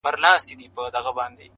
• د ده په اشعارو کي پروت دی ,